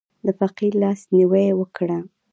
د فقیر لاس نیوی وکړه.